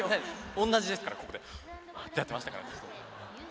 おんなじですからここで。ってやってましたから。